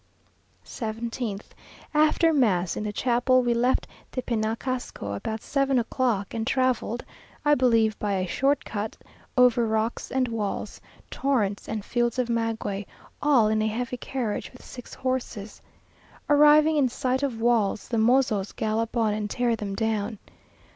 17th. After mass in the chapel we left Tepenacasco about seven o'clock, and travelled (I believe by a short cut) over rocks and walls, torrents and fields of maguey, all in a heavy carriage with six horses. Arriving in sight of walls, the mozos gallop on and tear them down.